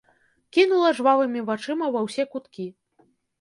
Кінула жвавымі вачыма ва ўсе куткі.